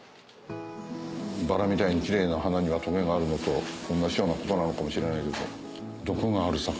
バラみたいにキレイな花にはトゲがあるのと同じようなことなのかもしれないけど。